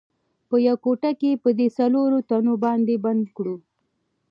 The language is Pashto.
په یوه کوټه کې په دې څلورو تنو باندې بند کړو.